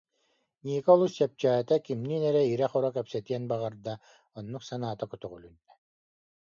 Ника олус чэпчээтэ, кимниин эрэ ирэ-хоро кэпсэтиэн баҕарда, оннук санаата көтөҕүлүннэ